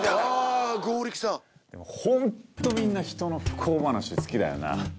本当みんなひとの不幸話好きだよな。